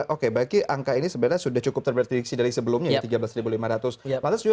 oke baiknya angka ini sebenarnya sudah cukup terperiksi dari sebelumnya tiga belas lima ratus ya pas juga